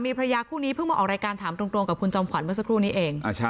๒๓มีพระยาคุณนี้เพิ่งออกรายการถามตรงกับพุนจำขวันเมื่อสักครู่นี้เอง